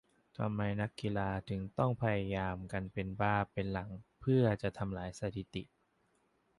ทำไมนักกีฬาถึงต้องพยายามกันเป็นบ้าเป็นหลังเพื่อจะทำลายสถิติ ?